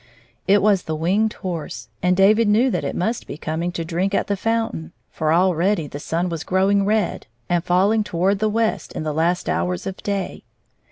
It was the Winged Horse, and David knew that it must now be coming to drink at the foun tain, for already the sun was growing red, and falling toward the west in the last hours of day.